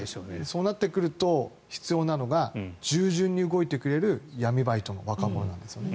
そうなってくると必要なのが従順に動いてくれる闇バイトの若者なんですね。